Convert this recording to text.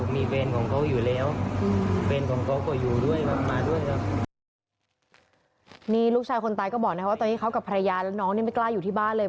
มีเพลงของเขาอยู่แล้ว